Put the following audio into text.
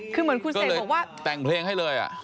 คือเหมือนคุณเศษต้องแต่งเพลงให้เลย